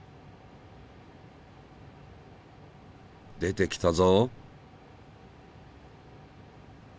出てきたぞ。